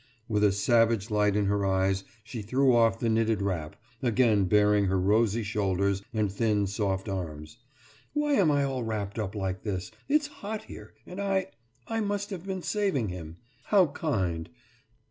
« With a savage light in her eyes, she threw off the knitted wrap, again baring her rosy shoulders and thin soft arms. »Why am I all wrapped up like this? It's hot here and I ... I must have been saving him! How kind!...